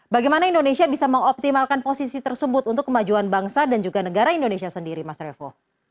bagaimana indonesia bisa mengoptimalkan posisi tersebut untuk kemajuan bangsa dan juga negara indonesia sendiri mas revo